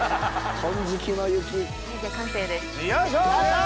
完成です。